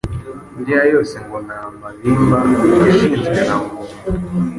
iriya yose ngo ni amabimba yashinzwe na Ngunda.